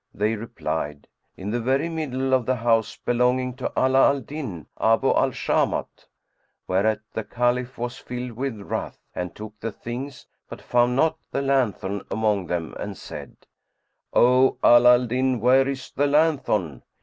They replied, "In the very middle of the house belonging to Ala al Din Abu al Shamat;" whereat the Caliph was filled with wrath and took the things, but found not the lanthorn among them and said, "O Ala al Din, where is the lanthorn?"